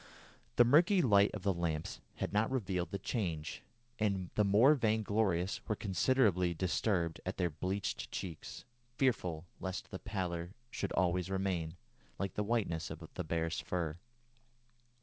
The murky light of the lamps had not revealed the change, and the more vainglorious were considerably disturbed at their bleached cheeks, fearful lest the pallor should always remain, like the whiteness of the bear's fur.